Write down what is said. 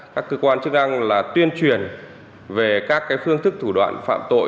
các cơ quan chức đăng là tuyên truyền về các phương thức thủ đoạn phạm tội